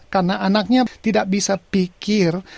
karena anaknya tidak bisa pikir